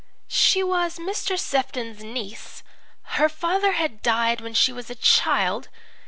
"She was Mr. Sefton's niece. Her father had died when she was a child.